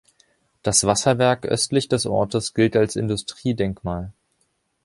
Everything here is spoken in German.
Das Wasserwerk östlich des Ortes gilt als Industriedenkmal.